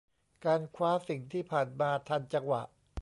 การคว้าสิ่งที่ผ่านมาทันจังหวะ